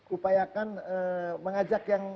upayakan mengajak yang